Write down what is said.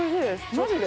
マジで？